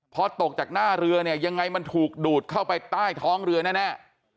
พอตกจากหน้าเรือเนี่ยยังไงมันถูกดูดเข้าไปใต้ท้องเรือแน่